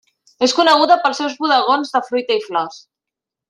És coneguda pels seus bodegons de fruita i flors.